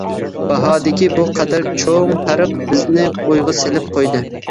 باھادىكى بۇ قەدەر چوڭ پەرق بىزنى ئويغا سېلىپ قويدى.